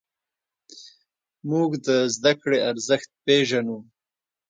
موږ د زدهکړې ارزښت پېژنو.